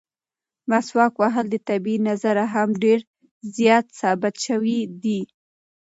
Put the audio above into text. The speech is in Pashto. مسواک وهل د طبي نظره هم ډېر زیات ثابت شوي دي.